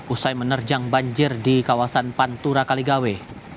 usai menerjang banjir di kawasan pantura kaligawe